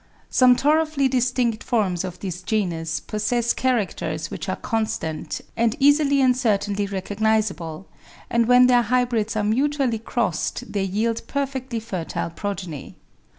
Some thoroughly distinct forms of this genus possess characters which are constant, and easily and certainly recognizable, and when their hybrids are mutually crossed they yield perfectly fertile progeny.